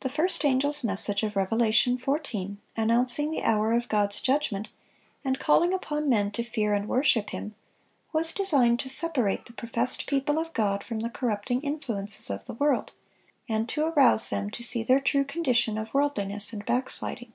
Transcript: The first angel's message of Revelation 14, announcing the hour of God's judgment, and calling upon men to fear and worship Him, was designed to separate the professed people of God from the corrupting influences of the world, and to arouse them to see their true condition of worldliness and backsliding.